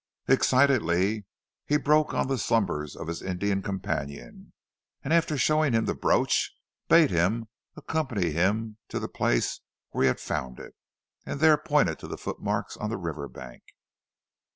Excitedly he broke on the slumbers of his Indian companion, and after showing him the brooch, bade him accompany him to the place where he had found it, and there pointed to the footmarks on the river bank.